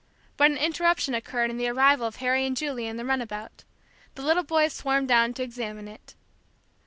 But an interruption occurred in the arrival of Harry and Julie in the runabout; the little boys swarmed down to examine it.